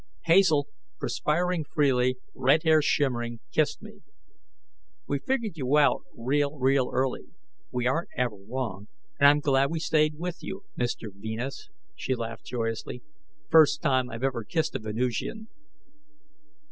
Hazel, perspiring freely, red hair shimmering, kissed me. "We figured you out real, real early. We aren't ever wrong, and I'm glad we stayed with you, Mr. Venus." She laughed joyously, "First time I've ever kissed a Venusian!"